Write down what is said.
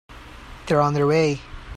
They're on their way.